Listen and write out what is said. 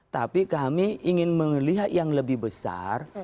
tapi kami ingin melihat yang lebih besar